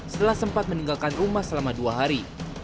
setelah sempat meninggalkan rumah selama dua hari